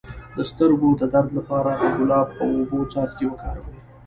د سترګو د درد لپاره د ګلاب او اوبو څاڅکي وکاروئ